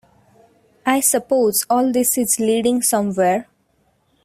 I suppose all this is leading somewhere?